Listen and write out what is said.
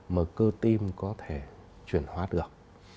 mà cơ tim có thể chuyển hóa được